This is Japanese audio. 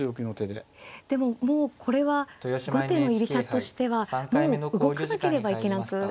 でももうこれは後手の居飛車としてはもう動かなければいけなくなっていますか。